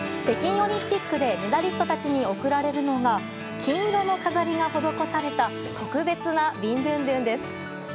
北京オリンピックでメダリストたちに贈られるのが金色の飾りが施された特別なビンドゥンドゥンです。